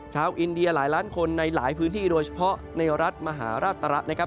เช้าอินเดียหลายล้านคนในหลายพื้นที่โดยเฉพาะนยฤรัทย์มหารัตรรักษ์นะครับ